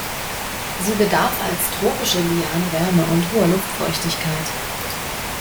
Sie bedarf als tropische Liane Wärme und hoher Luftfeuchtigkeit.